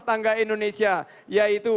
tangga indonesia yaitu